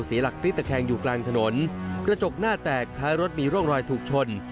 เสียหลักพลิกตะแคงอยู่กลางถนนกระจกหน้าแตกท้ายรถมีร่องรอยถูกชน